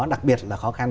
đặc biệt là khó khăn